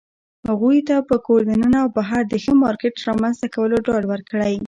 هغوى ته په کور دننه او بهر د ښه مارکيټ رامنځته کولو ډاډ ورکړى